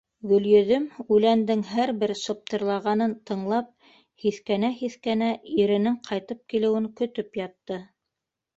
Гөлйөҙөм, үләндең һәр бер шыптырлағанын тыңлап һиҫкәнә-һиҫкәнә, иренең ҡайтып килеүен көтөп ятты.